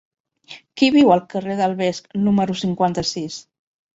Qui viu al carrer del Vesc número cinquanta-sis?